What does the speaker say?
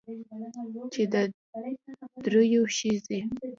چې د درېو ښځې